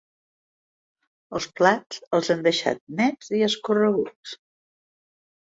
Els plats els han deixat nets i escorreguts.